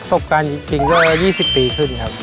บการณ์จริงก็๒๐ปีขึ้นครับ